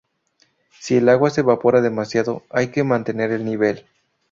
Si el agua se evapora demasiado, hay que mantener el nivel.